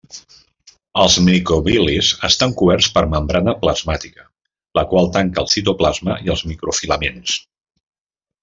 Els microvil·lis estan coberts per membrana plasmàtica, la qual tanca el citoplasma i els microfilaments.